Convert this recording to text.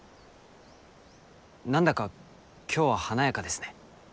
なんだか今日は華やかですね。